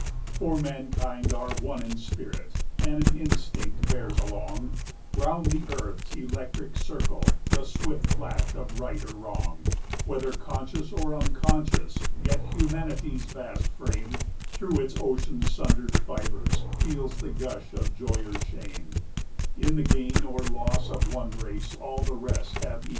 15 For mankind are one in spirit, and an instinct bears along, Round the earth's electric circle, the swift flash of right or wrong; Whether conscious or unconscious, yet Humanity's vast frame Through its ocean sundered fibres feels the gush of joy or shame; In the gain or loss of one race all the rest have equal claim.